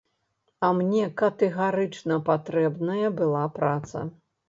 А мне катэгарычна патрэбная была праца.